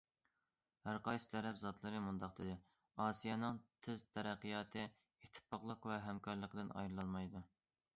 ھەر قايسى تەرەپ زاتلىرى مۇنداق دېدى: ئاسىيانىڭ تېز تەرەققىياتى ئىتتىپاقلىق ۋە ھەمكارلىقتىن ئايرىلالمايدۇ.